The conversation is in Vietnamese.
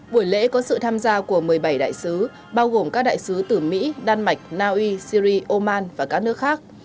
buổi lễ có sự tham gia của một mươi bảy đại sứ bao gồm các đại sứ từ mỹ đan mạch naui syri oman và các nước khác